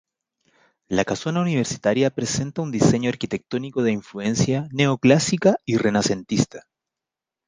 La Casona Universitaria presenta un diseño arquitectónico de influencia neoclásica y renacentista.